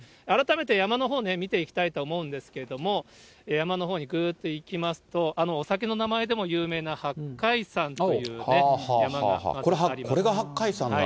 改めて山のほう、見ていきたいと思うんですけども、山のほうにぐっといきますと、あのお酒の名前でも有名な八海山というね、山が。